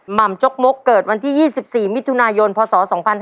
่ำจกมกเกิดวันที่๒๔มิถุนายนพศ๒๕๕๙